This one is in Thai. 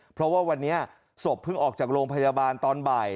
เพราะว่าวันนี้ศพเพิ่งออกจากโรงพยาบาลตอนบ่าย